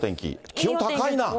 気温高いな。